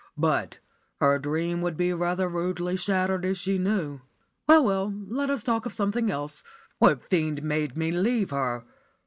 But her dream would be rather rudely shattered if she knew. Well, well, let us talk of something else. What fiend made me leave her?